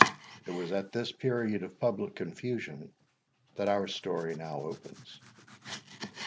It was at this period of public confusion that our story opens.